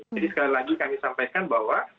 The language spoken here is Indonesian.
jadi sekali lagi kami sampaikan bahwa